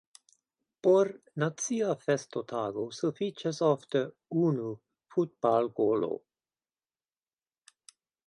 Por nacia festotago sufiĉas ofte unu futbalgolo.